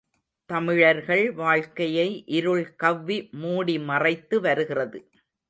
தமிழர்கள் வாழ்க்கையை இருள் கவ்வி மூடிமறைத்து வருகிறது.